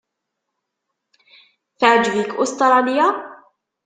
Teɛjeb-ik Ustṛalya?